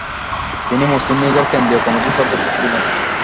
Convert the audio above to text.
তিনি মুসলিম লীগের কেন্দ্রীয় কমিটির সদস্য ছিলেন।